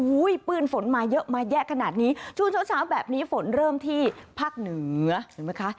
ปื้นฝนมาเยอะมาแยะขนาดนี้ช่วงเช้าเช้าแบบนี้ฝนเริ่มที่ภาคเหนือเห็นไหมคะ